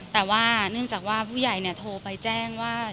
แต่ว่าเนื่องจากว่าผู้ใหญ่โทรไปแจ้งว่า